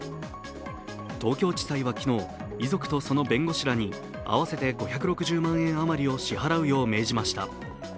東京地裁は昨日、遺族とその弁護士らに合わせて５６０万円余りを支払うよう命じました。